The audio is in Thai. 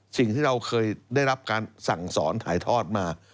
สิ่งที่เราเคยได้รับการสั่งสอนถ่ายทอดมา